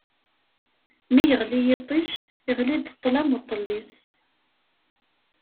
Mi yeɣli yiṭij, iɣli-d ṭṭlam uṭellis.